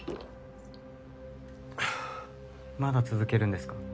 まだ続けるんですか？